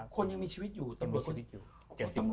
คนยังมีชีวิตอยู่ตำรวจยังมีชีวิตอยู่